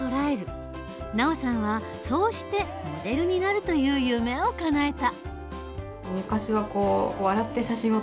ＮＡＯさんはそうしてモデルになるという夢をかなえた。